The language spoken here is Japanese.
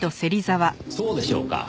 そうでしょうか？